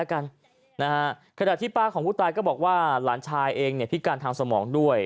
ขณะที่ป้าของผู้ตายก็บอกว่าหลานชายเองเนี่ยพิการทางสมองด้วย